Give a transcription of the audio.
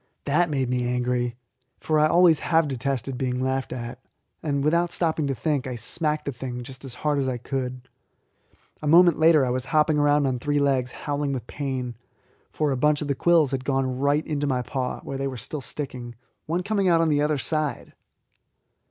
That made me angry, for I always have detested being laughed at, and, without stopping to think, I smacked the thing just as hard as I could. A moment later I was hopping round on three legs howling with pain, for a bunch of the quills had gone right into my paw, where they were still sticking, one coming out on the other side.